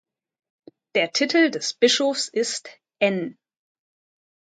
Der Titel des Bischofs ist: "N.